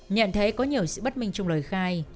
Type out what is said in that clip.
nhận thấy có nhiều sự bất minh trong lời khai